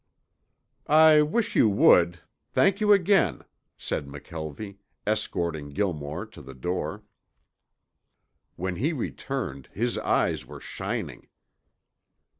"I wish you would. Thank you again," said McKelvie, escorting Gilmore to the door. When he returned his eyes were shining.